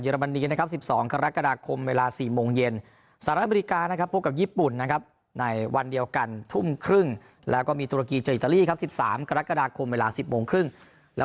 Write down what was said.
จนรู้สึกว่าเราจะได้รู้ข้อผิดพลาดปรับปรุงแล้วก็แก้ไขในแมทต่อไป